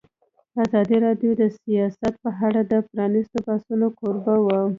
ازادي راډیو د سیاست په اړه د پرانیستو بحثونو کوربه وه.